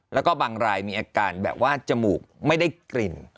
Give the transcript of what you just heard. แล้วก็บางรายมีอาการแบบว่าจมูกไม่ได้กลิ่น